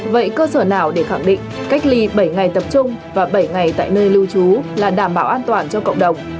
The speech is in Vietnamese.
vậy cơ sở nào để khẳng định cách ly bảy ngày tập trung và bảy ngày tại nơi lưu trú là đảm bảo an toàn cho cộng đồng